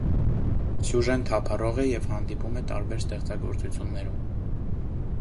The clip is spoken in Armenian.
Սյուժեն թափառող է և հանդիպում է տարբեր ստեղծագործություններում։